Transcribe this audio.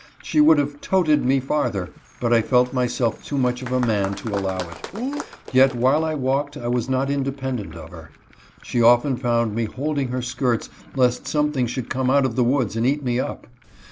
She would have "toted" me farther, but I felt myself too much of a man to allow it. Yet while I walked I was not independ ent of her. She often found me holding her skirts lest something should come out of the woods and eat me up.